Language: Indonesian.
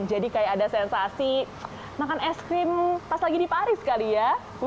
jadi kayak ada sensasi makan es krim pas lagi di paris kali ya